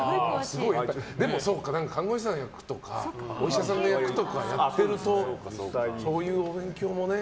でも看護師さんの役とかお医者さんの役とかやってるとそういうお勉強もね。